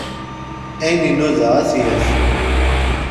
Ayen inuda ad t-yaf.